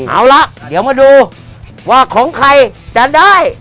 เอาละเดี๋ยวมาดูว่าของใครจะได้